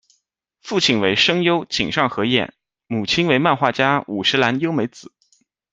父亲为声优井上和彦、母亲为漫画家五十岚优美子。